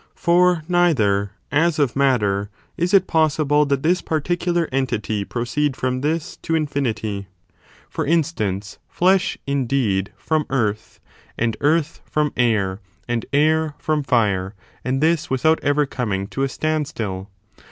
For ®' ^oimai. neither, as of matter, is it possible that this particular entity proceed from this to infinity ; for instance, flesh, indeed, from earth, and earth from air, and air from fire, and this without ever coming to a stand still.